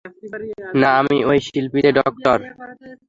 না, আমি ওই শিল্পীতে ডক্টর।